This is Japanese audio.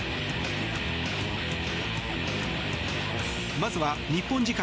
まずは日本時間